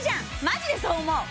マジでそう思う！